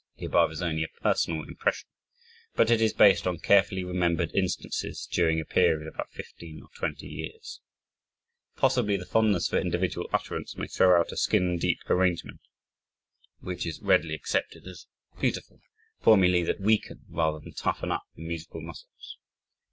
(The above is only a personal impression, but it is based on carefully remembered instances, during a period of about fifteen or twenty years.) Possibly the fondness for individual utterance may throw out a skin deep arrangement, which is readily accepted as beautiful formulae that weaken rather than toughen up the musical muscles.